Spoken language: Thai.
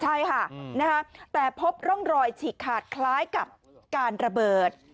ใช่ค่ะแต่พบร่องรอยฉีกขาดคล้ายกับการระเบิด